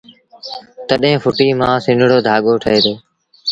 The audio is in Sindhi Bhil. تڏهيݩ ڦئٽيٚ مآݩ سنڙو ڌآڳو ٺهي دو